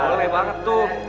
boleh banget tuh